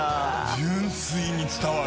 純粋に伝わる。